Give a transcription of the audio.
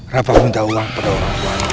rafa minta uang kepada orang tua